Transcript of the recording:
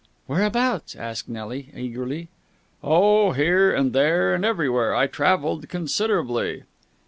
"Whereabouts?" asked Nelly eagerly. "Oh, here and there and everywhere. I travelled considerably."